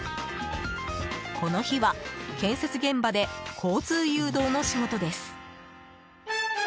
この日は建設現場で交通誘導の仕事です。